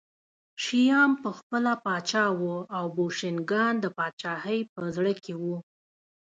شیام پخپله پاچا و او بوشنګان د پاچاهۍ په زړه کې وو